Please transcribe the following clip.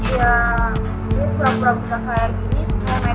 ya pura pura kita kayak gini semua men